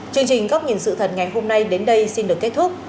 chương trình góc nhìn sự thật ngày hôm nay đến đây xin được kết thúc